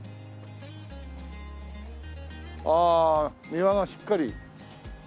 ああ庭がしっかり。